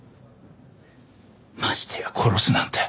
ましてや殺すなんて。